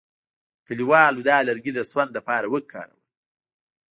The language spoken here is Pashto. کلیوالو دا لرګي د سون لپاره وکارول.